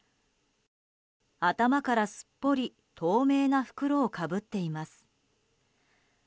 頭から、すっぽり透明な袋をかぶっています。